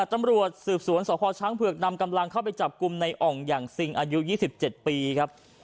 ตำรวจสืบสวนสพช้างเผือกนำกำลังเข้าไปจับกลุ่มในอ่องอย่างซิงอายุ๒๗ปีครับ